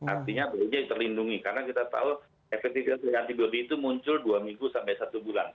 artinya bayinya terlindungi karena kita tahu efektivitas dari antibody itu muncul dua minggu sampai satu bulan